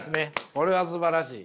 これはすばらしい。